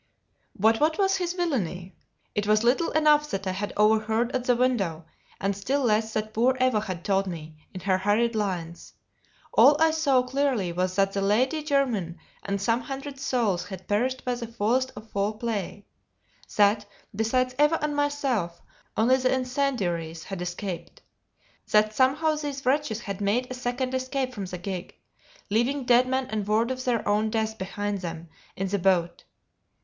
But what was his villany? It was little enough that I had overheard at the window, and still less that poor Eva had told me in her hurried lines. All I saw clearly was that the Lady Jermyn and some hundred souls had perished by the foulest of foul play; that, besides Eva and myself, only the incendiaries had escaped; that somehow these wretches had made a second escape from the gig, leaving dead men and word of their own death behind them in the boat.